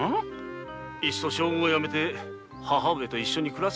いっそ将軍をやめて母上と一緒に暮らすか。